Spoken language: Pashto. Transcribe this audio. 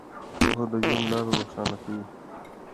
پوهه د ژوند لاره روښانه کوي.